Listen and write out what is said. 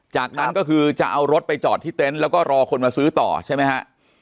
จากนั้นก็คือจะเอารถไปจอดที่เต็นต์แล้วก็รอคนมาซื้อต่อใช่ไหมฮะ